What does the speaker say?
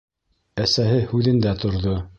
Әсәһе һүҙендә торҙо.